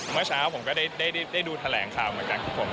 เมื่อเช้าผมก็ได้ดูแถลงข่าวเหมือนกันครับผม